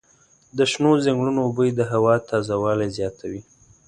د شنو ځنګلونو بوی د هوا تازه والی زیاتوي.